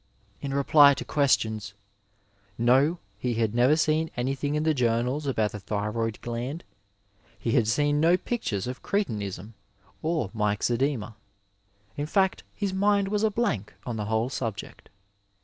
In reply to questions : No, he had never seen anything in the journals about the thyroid gland ; he had seen no pictures of cretinism or myxoedema ; in fact his mind was a blank on the whole subject.